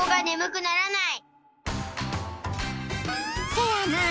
せやなあ。